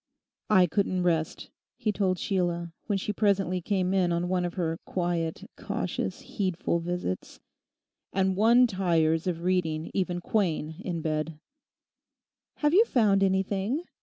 'I couldn't rest,' he told Sheila, when she presently came in on one of her quiet, cautious, heedful visits; 'and one tires of reading even Quain in bed.' 'Have you found anything?